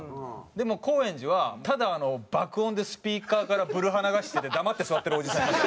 でも高円寺はただ爆音でスピーカーからブルハ流してて黙って座ってるおじさんいます。